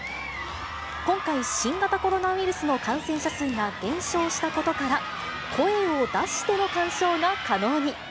今回、新型コロナウイルスの感染者数が減少したことから、声を出しての鑑賞が可能に。